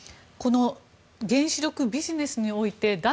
原子力ビジネスにおいて脱